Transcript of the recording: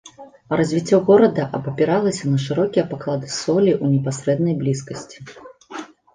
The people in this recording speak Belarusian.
Развіццё горада абапіралася на шырокія паклады солі ў непасрэднай блізкасці.